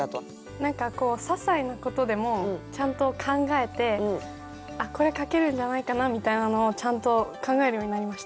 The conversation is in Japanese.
何かこうささいなことでもちゃんと考えてあっこれ書けるんじゃないかなみたいなのをちゃんと考えるようになりました。